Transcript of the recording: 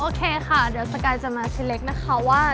โอเคค่ะเดี๋ยวสกายจะมาคิดเล็กนะคะว่า